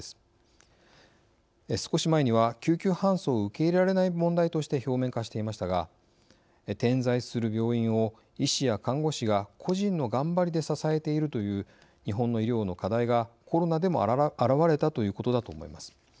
少し前には救急搬送を受け入れられない問題として表面化していましたが点在する病院を医師や看護師が個人の頑張りで支えているという日本の医療の課題がコロナでも表れたということだと思います。